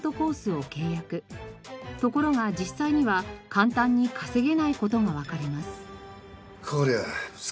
ところが実際には簡単に稼げない事がわかります。